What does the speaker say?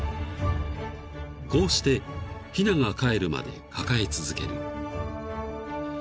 ［こうしてひながかえるまで抱え続ける］